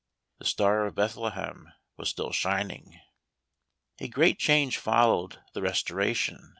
The Star of Bethlehem was still shining. A great change followed the Restoration.